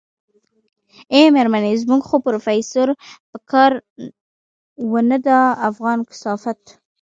ای مېرمنې زموږ خو پروفيسر په کار و نه دا افغان کثافت.